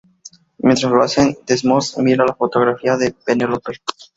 Mientras lo hacen, Desmond mira la fotografía de Penelope.